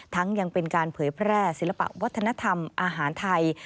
ยังเป็นการเผยแพร่ศิลปะวัฒนธรรมอาหารไทย